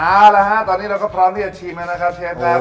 เอาละฮะตอนนี้เราก็พร้อมที่จะชิมแล้วนะครับเชฟครับ